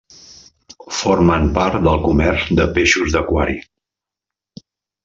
Formen part del comerç de peixos d'aquari.